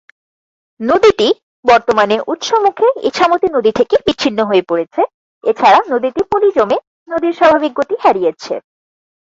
নদীটি বর্তমানে উৎস মুখে ইছামতি নদী থেকে বিছিন্ন হয়ে পড়েছে এছাড়া নদীটিতে পলি জমে নদীর স্বাভাবিক গতি হারিয়েছে।